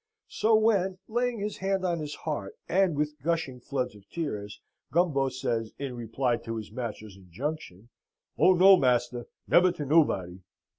So when, laying his hand on his heart, and with gushing floods of tears, Gumbo says, in reply to his master's injunction, "Oh no, master! nebber to nobody!"